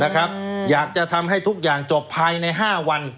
นะครับอืมอยากจะทำให้ทุกอย่างจบภายในห้าวัน